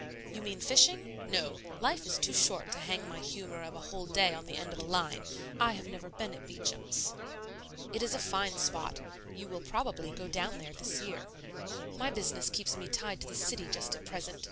"You mean fishing? No; life is too short to hang my humor of a whole day on the end of a line. I have never been at Beacham's." "It is a fine spot. You will probably go down there this year." "My business keeps me tied to the city just at present.